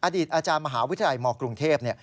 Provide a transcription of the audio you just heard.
อดีตอาจารย์มหาวิทยาลัยมกรุงเทพ